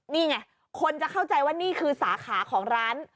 นี่ไงคนจะเข้าใจว่านี่คือสาขาของร้าน